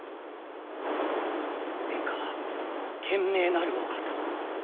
殿下は賢明なるお方。